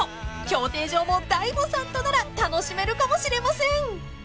［競艇場も大悟さんとなら楽しめるかもしれません］